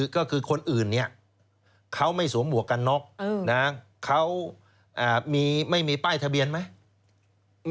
ก็คือคนอื่นเนี่ยเขาไม่สวมหมวกกันน็อกเขาไม่มีป้ายทะเบียนไหม